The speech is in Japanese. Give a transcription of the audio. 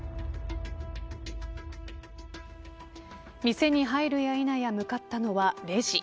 店に入るやいなや向かったのはレジ。